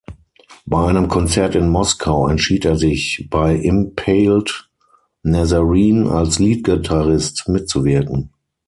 Bei einem Konzert in Moskau entschied er sich, bei Impaled Nazarene als Lead-Gitarrist mitzuwirken.